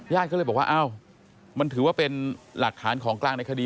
ก็เลยบอกว่าอ้าวมันถือว่าเป็นหลักฐานของกลางในคดี